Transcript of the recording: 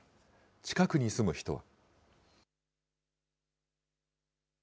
近くに住む人は。